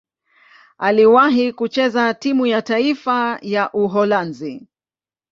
Aliwahi kucheza timu ya taifa ya Uholanzi.